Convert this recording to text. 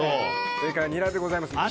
正解はニラでございます。